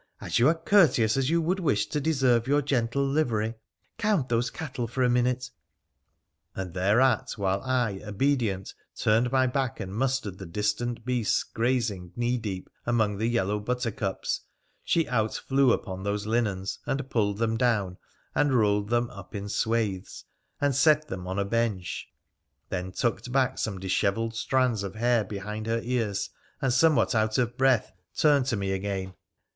as you are 294 WONDERFUL ADVENTURES OF courteous, as you would wish to deserve your gentle livery, count those cattle for a minute,' and thereat, while I, obedient, turned my back and mustered the distant beasts grazing knee deep among the yellow buttercups — she outflew upon those linens, and pulled them down and rolled them up in swathes, and set them on a bench ; then tucked back some dishevelled strands of hair behind her ears, and, somewhat out of breath, turned to me again.